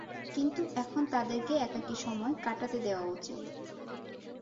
কিন্তু এখন তাদেরকে একাকী সময় কাটাতে দেওয়া উচিত।